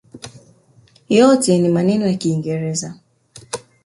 Yote ni maneno ya kiingereza.